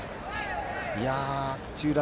土浦